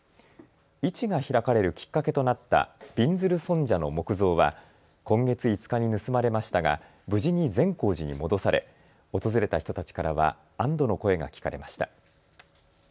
市が開かれるきっかけとなったびんずる尊者の木像は今月５日に盗まれましたが無事に善光寺に戻され訪れた人たちからは安どの声が聞かれました。